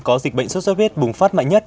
có dịch bệnh sốt xuất huyết bùng phát mạnh nhất